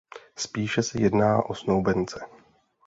Spíše se jedná o snoubence.